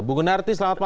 bu gunarti selamat malam